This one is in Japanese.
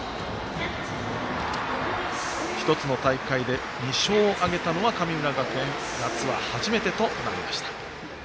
１つの大会で２勝を挙げたのは神村学園夏は初めてとなりました。